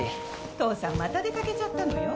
父さんまた出掛けちゃったのよ。